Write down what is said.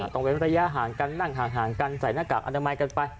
ต้องเป็นประยะห่างกันนั่งห่างกันใส่หน้ากากอันดับใหม่กันไป